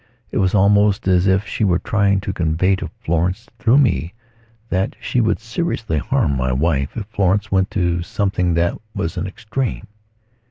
It was almost as if she were trying to convey to Florence, through me, that she would seriously harm my wife if Florence went to something that was an extreme.